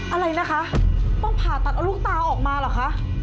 อะไรนะคะต้องผ่าตัดเอาลูกตาออกมาเหรอคะ